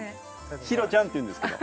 ヒロちゃんっていうんですけど。